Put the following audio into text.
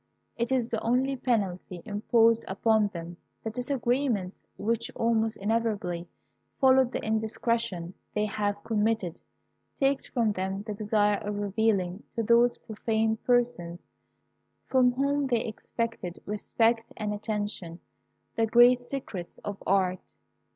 "It is the only penalty imposed upon them. The disagreements which almost invariably follow the indiscretion they have committed takes from them the desire of revealing to those profane persons from whom they expected respect and attention the great secrets of art.